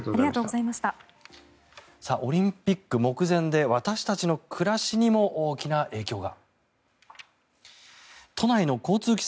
オリンピック目前で私たちの暮らしにも大きな影響が。